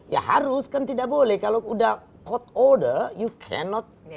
ya harus kan tidak boleh kalau sudah court order you cannot avoid